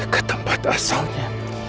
ke tempat asalnya